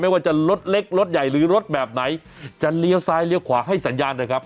ว่าจะรถเล็กรถใหญ่หรือรถแบบไหนจะเลี้ยวซ้ายเลี้ยวขวาให้สัญญาณนะครับ